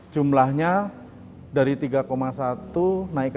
jumlahnya dari tiga satu naik ke tiga lima